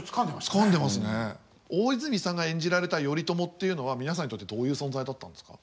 大泉さんが演じられた頼朝というのは皆さんにとってどういう存在だったんですか？